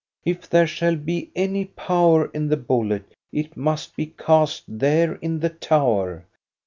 If there shall be any power in the bullet, it must be cast there in the tower.